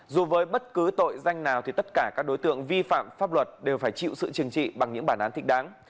dù với bất cứ tội danh nào thì tất cả các đối tượng vi phạm pháp luật đều phải chịu sự chừng trị bằng những bản án thích đáng